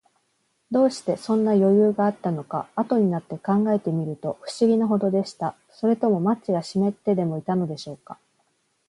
どうして、そんなよゆうがあったのか、あとになって考えてみると、ふしぎなほどでした。それともマッチがしめってでもいたのでしょうか。